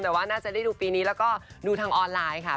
แต่ว่าน่าจะได้ดูปีนี้แล้วก็ดูทางออนไลน์ค่ะ